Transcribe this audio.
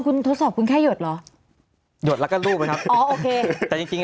คุณทดสอบคุณแค่หยดเหรอหยดแล้วก็รูปไหมครับอ๋อโอเคแต่จริงจริง